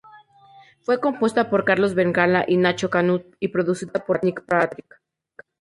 Fue compuesta por Carlos Berlanga y Nacho Canut, y producida por Nick Patrick.